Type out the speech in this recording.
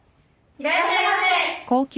いらっしゃいませ。